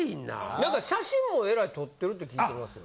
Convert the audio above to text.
なんか写真もえらい撮ってるって聞いてますよ。